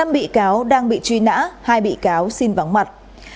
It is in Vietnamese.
năm bị cáo đang bị truy nã hai bị cáo xin vắng mặt